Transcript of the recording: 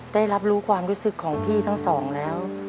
ได้รับรู้ความรู้สึกของพี่ทั้งสองแล้ว